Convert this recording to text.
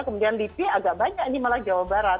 kemudian lipi agak banyak ini malah jawa barat